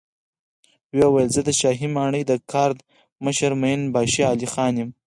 ويې ويل: زه د شاهي ماڼۍ د ګارد مشر مين باشي علی خان يم.